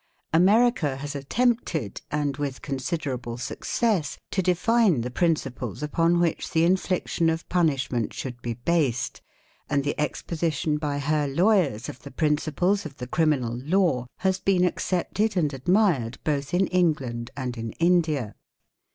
America has attempted, and with considerable success, to define the principles upon which the infliction of punishment should be based, and the exposition by her lawyers of the principles of the criminal law has been accepted and admired both in England and in India.